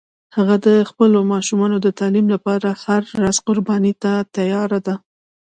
هغه د خپلو ماشومانو د تعلیم لپاره هر راز قربانی ته تیار ده